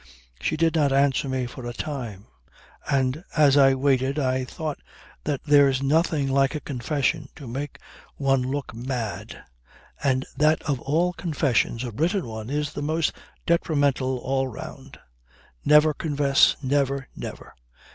She did not answer me for a time, and as I waited I thought that there's nothing like a confession to make one look mad; and that of all confessions a written one is the most detrimental all round. Never confess! Never, never!